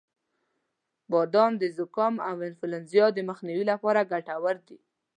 • بادام د زکام او انفلونزا د مخنیوي لپاره ګټور دی.